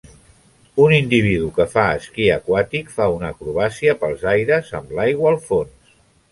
Un individu que fa ski aquàtic fa una acrobàcia pels aires amb l'aigua al fons.